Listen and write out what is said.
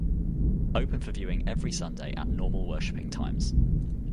Open for viewing every Sunday at normal worshipping times.